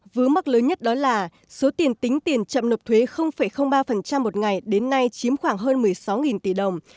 vứ mắc lớn nhất đó là số tiền tính tiền chậm nộp thuế ba một ngày đến nay chiếm khoảng hơn một mươi sáu tỷ đồng